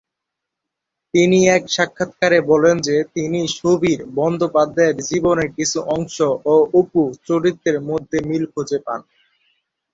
তিনি এক সাক্ষাৎকারে বলেন যে তিনি সুবীর বন্দ্যোপাধ্যায়ের জীবনের কিছু অংশ ও অপু চরিত্রের মধ্যে মিল খুঁজে পান।